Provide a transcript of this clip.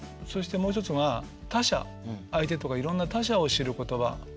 そしてもう一つが他者相手とかいろんな他者を知る言葉。